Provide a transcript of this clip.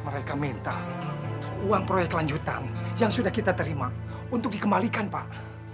mereka minta uang proyek lanjutan yang sudah kita terima untuk dikembalikan pak